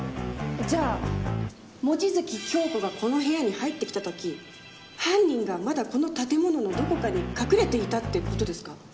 じゃあ望月京子がこの部屋に入ってきた時犯人がまだこの建物のどこかに隠れていたって事ですか？